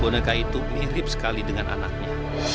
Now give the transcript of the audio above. boneka itu mirip sekali dengan anaknya